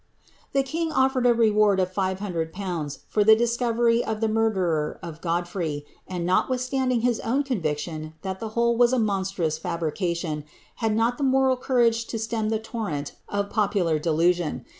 ^^* The kini; otTerrd a rewani of 500/. for the discorery of the murderer of Godfrey, and, notwithstanding his own conviction that the whole wu a monstrous fabrication, had not the moral courage to stem the tormit of popular delusion.